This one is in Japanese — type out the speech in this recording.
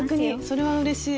それはうれしい。